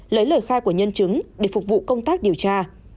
lấy lời khai của nhân chứng để phục vụ công tác điều tra